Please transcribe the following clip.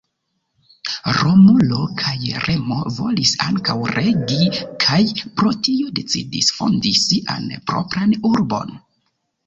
Romulo kaj Remo volis ankaŭ regi kaj pro tio decidis fondi sian propran urbon.